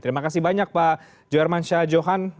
terima kasih banyak pak jo herman shah johan